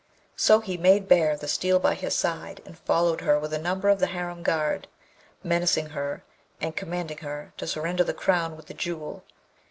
So he made bare the steel by his side, and followed her with a number of the harem guard, menacing her, and commanding her to surrender the crown with the Jewel.